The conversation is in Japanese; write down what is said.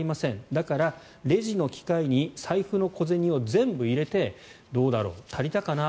だからレジの機械に財布の小銭を全部入れてどうだろう、足りたかな？